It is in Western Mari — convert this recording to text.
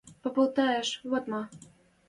Попалталеш: «Вот ма.